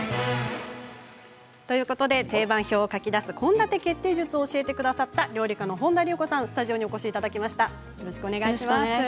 定番表を書き出す献立決定術を教えてくださった料理家の本多理恵子さんにスタジオにお越しいただきました。